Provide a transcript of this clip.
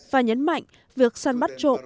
và nhấn mạnh việc săn bắt trộm